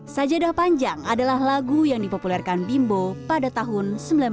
sajadah panjang adalah lagu yang dipopulerkan bimbo pada tahun seribu sembilan ratus sembilan puluh